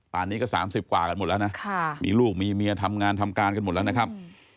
นี้ก็๓๐กว่ากันหมดแล้วนะมีลูกมีเมียทำงานทำการกันหมดแล้วนะครับ